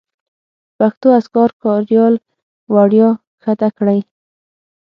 پښتو اذکار کاریال وړیا کښته کړئ.